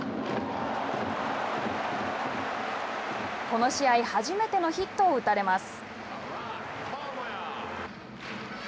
この試合初めてのヒットを打たれます。